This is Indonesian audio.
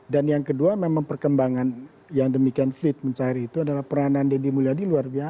dan yang kedua memang perkembangan yang demikian fit mencari itu adalah peranan deddy mulyadi luar biasa ya